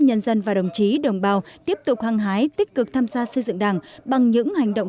nhân dân và đồng chí đồng bào tiếp tục hăng hái tích cực tham gia xây dựng đảng bằng những hành động